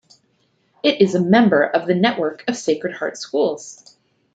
It is a member of The Network of Sacred Heart Schools.